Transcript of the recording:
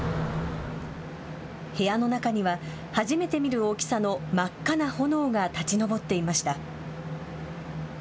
部屋の中には初めて見る大きさの真っ赤な炎が立ち上っていました。